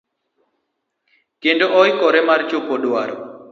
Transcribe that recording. Kendo oikore mar chopo dwaro.